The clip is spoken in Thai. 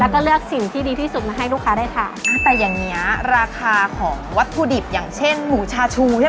แล้วก็เลือกสิ่งที่ดีที่สุดมาให้ลูกค้าได้ทานแต่อย่างเนี้ยราคาของวัตถุดิบอย่างเช่นหมูชาชูใช่ไหม